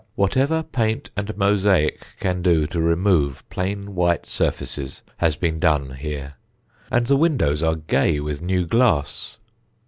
Whatever paint and mosaic can do to remove plain white surfaces has been done here, and the windows are gay with new glass.